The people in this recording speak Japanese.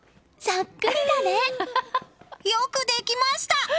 そっくりだね。よくできました！